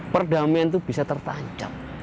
perdamaian itu bisa tertancap